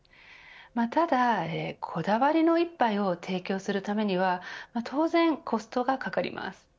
ただ、こだわりの一杯を提供するためには当然、コストがかかります。